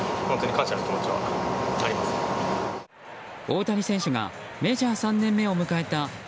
大谷選手がメジャー３年目を迎えた